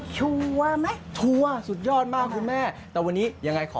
เดี๋ยวเชื่อจะเกือบไหม้ทั้งตัว